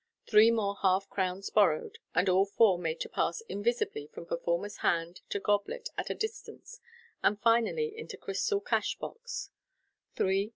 Three more half crowns borrowed, and all four made to pass invisibly from performer's hand goblet at a distance {page 200), and finally into crystal cash box (page 487).